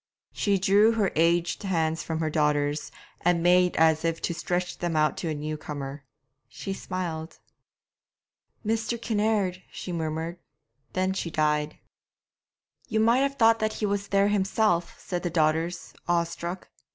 She drew her aged hands from her daughters', and made as if to stretch them out to a new comer. She smiled. 'Mr. Kinnaird!' she murmured; then she died. 'You might have thought that he was there himself,' said the daughters, awestruck.